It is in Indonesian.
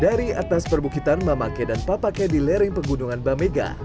dari atas perbukitan mamake dan papake di lereng pegunungan bamega